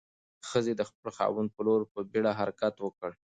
ښځې د خپل خاوند په لور په بیړه حرکت وکړ.